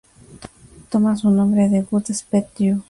Toma su nombre de "God Speed You!